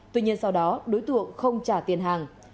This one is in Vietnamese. tuy nhiên sau đó đối tượng không trả tiền hàng